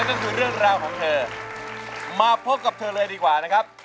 นั่นคือเรื่องราวของเธอมาพบกับเธอเลยดีกว่านะครับ